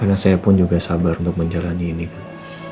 karena saya pun juga sabar untuk menjalani ini kan